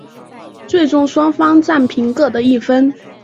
最终双方战平各得一分。